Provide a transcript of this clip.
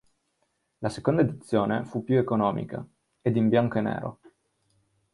La seconda edizione fu più economica, ed in bianco e nero.